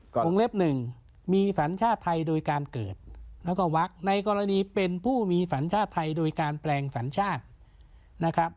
วงเล็บหนึ่งมีสัญชาติไทยโดยการเกิดแล้วก็วักในกรณีเป็นผู้มีสัญชาติไทยโดยการแปลงสัญชาตินะครับ